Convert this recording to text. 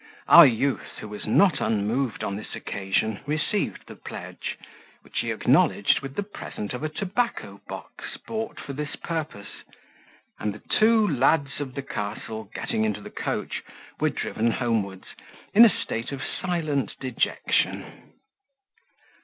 Our youth, who was not unmoved on this occasion, received the pledge, which he acknowledged with the present of a tobacco box bought for this purpose; and the two lads of the castle getting into the coach, were driven homewards, in a state of silent dejection.